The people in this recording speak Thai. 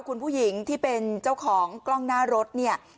คุณผู้หญิงที่เป็นเจ้าของกล้องหน้ารถเนี่ย